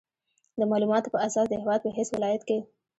د مالوماتو په اساس د هېواد په هېڅ ولایت کې